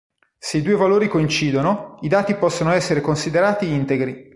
Se i due valori coincidono, i dati possono essere considerati integri.